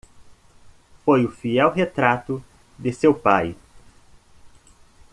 Foi o fiel retrato de seu pai.